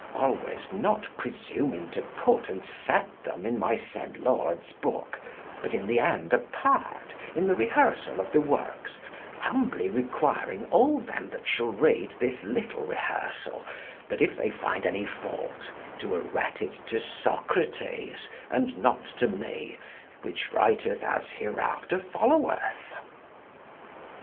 Always not presuming to put and set them in my said Lord's book but in the end apart in the rehearsal of the works, humbly requiring all them that shall read this little rehearsal, that if they find any fault to arette it to Socrates, and not to me, which writeth as hereafter followeth.